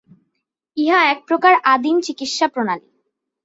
ইহা এক প্রকার আদিম চিকিৎসা-প্রণালী।